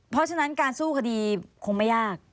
เพราะฉะนั้นการสู้คดีคงไม่ยาก